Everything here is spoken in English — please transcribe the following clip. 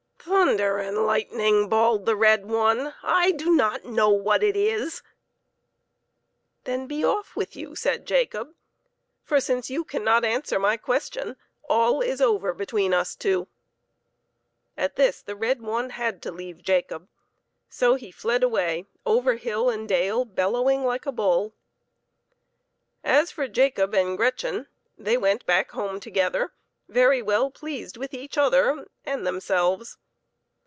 " Thunder and lightning !" bawled the red one, "/ do not know what it is /"" Then be off with you !" said Jacob, " for, since you cannot answer my question, all is over between us two." At this the red one had to leave Jacob, so he fled away over hill and dale, bellowing like a bull. As for Jacob and Gretchen, they went back home together, very well pleased with each other and themselves.